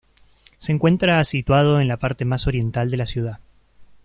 Se encuentra situado en la parte más oriental de la ciudad.